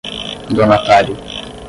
donatário